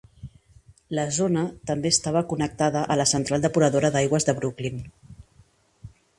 La zona també estava connectada a la central depuradora d'aigües de Brooklyn.